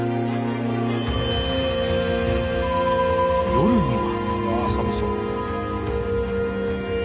［夜には］